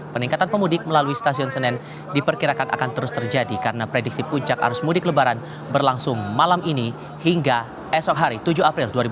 peningkatan pemudik melalui stasiun senen diperkirakan akan terus terjadi karena prediksi puncak arus mudik lebaran berlangsung malam ini hingga esok hari tujuh april dua ribu dua puluh